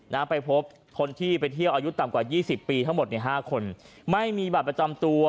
นะไปพบคนที่ไปเที่ยวอายุต่ำกว่ายี่สิบปีทั้งหมดเนี่ยห้าคนไม่มีบัตรประจำตัว